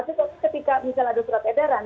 tapi ketika misalnya ada surat edaran